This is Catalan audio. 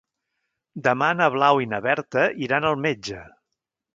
Demà na Blau i na Berta iran al metge.